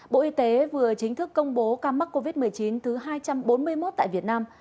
bộ y tế vừa chính thức công bố ca mắc covid một mươi chín thứ hai trăm bốn mươi một tại việt nam